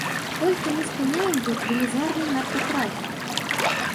Толькі мы спыняем тут велізарны наркатрафік.